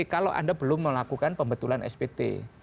kalau anda belum melakukan pembetulan spt